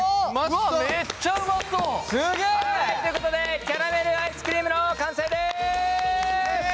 はいということでキャラメルアイスクリームの完成です！